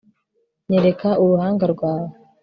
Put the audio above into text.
nyereka uruhanga rwawe